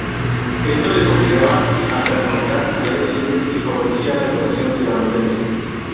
Esto les obligaba a pernoctar al aire libre y favorecía la actuación de bandoleros.